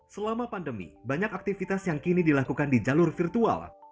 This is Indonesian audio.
selama pandemi banyak aktivitas yang kini dilakukan di jalur virtual